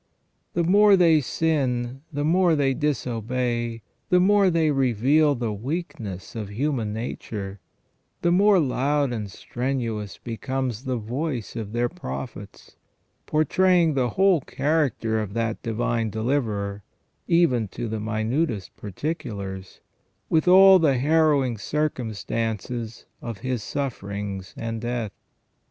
The more they sin, the more they disobey, the more they reveal the weak ness of human nature, the more loud and strenuous becomes the voice of their prophets, portraying the whole character of that Divine Deliverer, even to the minutest particulars, with all the harrowing circumstances of His sufferings and death.